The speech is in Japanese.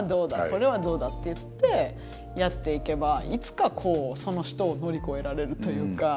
これはどうだっていってやっていけばいつかこうその人を乗り越えられるというか。